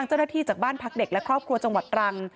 ตั้งเจ้าหน้าที่จากบ้านพักเด็กและครอบครัวจังหวัดตรัง